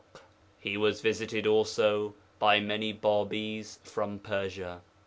He was visited also by many Bābīs from Persia.'